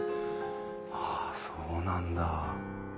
ああそうなんだ。